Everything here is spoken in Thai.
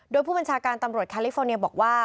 โดยผู้บัญชาการตำรวจแคลิฟอร์เนียบอกว่า